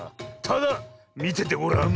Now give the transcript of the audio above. ただみててごらん。